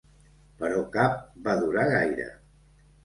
Però cap va durar gaire.